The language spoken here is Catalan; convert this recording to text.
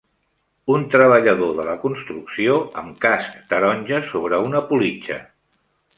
Un treballador de la construcció amb casc taronja sobre una politja.